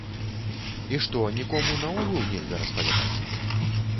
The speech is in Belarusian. І што нікому наогул нельга распавядаць?